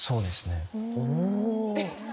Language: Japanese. お。